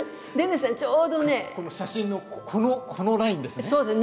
写真のこのラインですね。